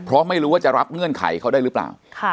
เพราะไม่รู้ว่าจะรับเงื่อนไขเขาได้หรือเปล่า